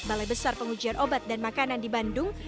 balai besar pengujian obat dan makanan di bandung